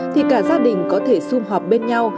thì cả gia đình có thể xung họp bên nhau